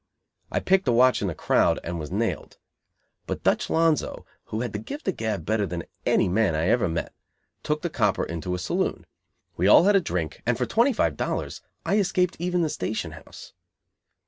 I picked a watch in the crowd, and was nailed. But Dutch Lonzo, who had the gift of gab better than any man I ever met, took the copper into a saloon. We all had a drink, and for twenty five dollars I escaped even the station house.